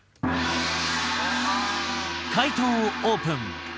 解答をオープン。